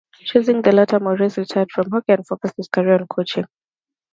Choosing the latter, Maurice retired from hockey and focused his career on coaching.